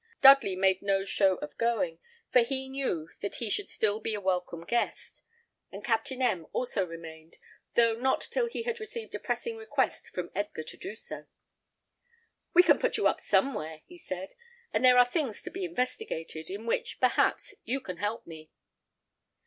Dudley made no show of going, for he knew that he should still be a welcome guest; and Captain M also remained, though not till he had received a pressing request from Edgar to do so. "We can put you up somewhere," he said; "and there are things to be investigated, in which, perhaps, you can help me.